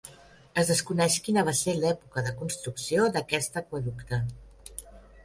Es desconeix quina va ser l'època de construcció d'aquest aqüeducte.